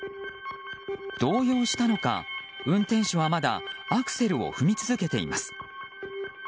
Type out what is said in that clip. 動揺したのか運転手はまだアクセルを踏み続けています。